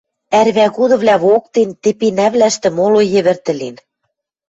Ӓрвӓгудывлӓ воктен, тепенӓвлӓштӹ моло йӹвӹрт ӹлен.